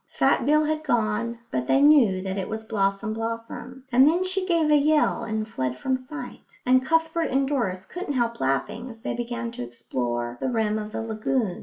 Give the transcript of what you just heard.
Fat Bill had gone, but they knew that it was Blossom blossom, and then she gave a yell and fled from sight; and Cuthbert and Doris couldn't help laughing as they began to explore the rim of the lagoon.